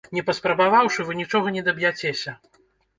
Не паспрабаваўшы, вы нічога не даб'яцеся!